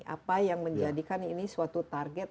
apa yang menjadikan ini suatu target